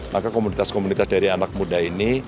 maka komunitas komunitas dari anak muda ini